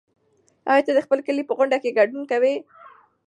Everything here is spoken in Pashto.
ایا ته د خپل کلي په غونډه کې ګډون کوې؟